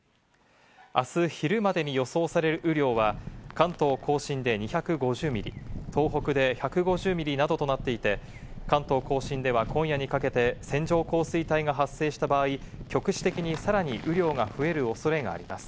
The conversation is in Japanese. あす昼までに予想される雨量は、関東甲信で２５０ミリ、東北で１５０ミリなどとなっていて、関東甲信では今夜にかけて線状降水帯が発生した場合、局地的にさらに雨量が増える恐れがあります。